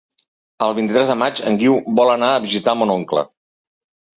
El vint-i-tres de maig en Guiu vol anar a visitar mon oncle.